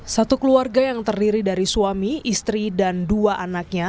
satu keluarga yang terdiri dari suami istri dan dua anaknya